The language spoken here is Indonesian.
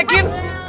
itu tadi ngeledekin